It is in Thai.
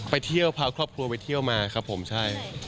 ไปเที่ยวพาครอบครัวไปเที่ยวมาครับผมใช่